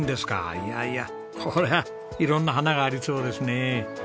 いやいやこれは色んな花がありそうですねえ。